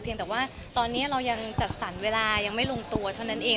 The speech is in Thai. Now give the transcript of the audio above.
แต่ว่าตอนนี้เรายังจัดสรรเวลายังไม่ลงตัวเท่านั้นเอง